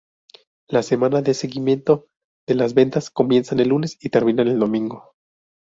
La semana de seguimiento de las ventas comienza el lunes y termina el domingo.